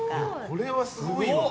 これはすごいわ。